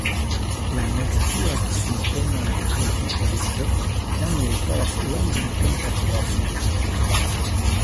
La negativan sintenon al interezo oni retrovas longan tempon poste.